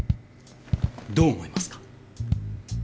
どう思いますか？